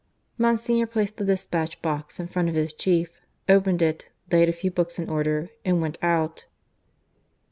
Monsignor placed the despatch box in front of his chief, opened it, laid a few books in order, and went out.